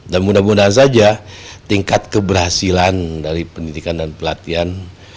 dan mudah mudahan saja tingkat keberhasilan dari pendidikan dan pelatihan